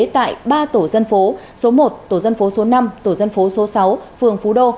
tại ba tổ dân phố số một tổ dân phố số năm tổ dân phố số sáu phường phú đô